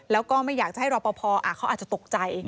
แล้วก็ไม่อยากจะให้รอปภเขาอาจจะตกใจ